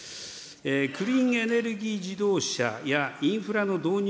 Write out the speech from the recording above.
クリーンエネルギー自動車やインフラの導入